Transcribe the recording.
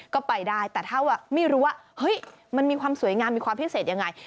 ก็ไปได้แต่ถ้าไม่รู้ว่าเฮ้ยมันมีความสวยงามมีความพิเศษยังไง